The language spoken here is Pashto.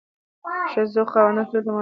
د ښه ذوق خاوندان تل د مانا په لټه کې وي.